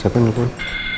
siapa ini tuh